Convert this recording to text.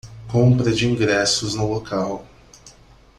Compra de ingressos no local